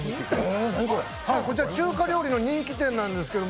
こちら中華料理の人気店なんですけれども